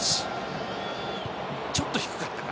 ちょっと低かったか。